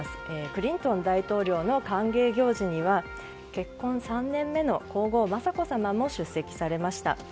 クリントン大統領の歓迎行事には結婚３年目の皇后・雅子さまも出席されました。